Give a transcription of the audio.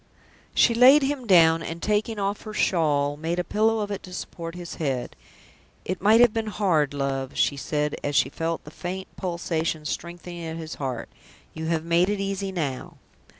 She laid him down, and, taking off her shawl, made a pillow of it to support his head. "It might have been hard, love," she said, as she felt the faint pulsation strengthening at his heart. "You have made it easy now."